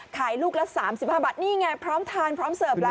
ขายลูกละสามสิบห้าบาทนี่ไงพร้อมทานพร้อมเสิร์ฟแล้วนะคะ